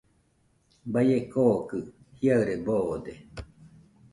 Baie kokɨ jiaɨre boode.